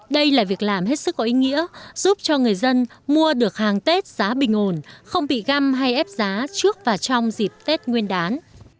đây là việc làm hết sức có ý nghĩa giúp cho người dân mua được hàng tết giá bình ổn không bị găm hay ép giá trước và trong dịp tết nguyên đán